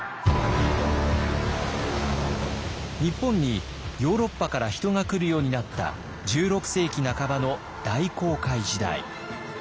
日本にヨーロッパから人が来るようになった１６世紀半ばの大航海時代。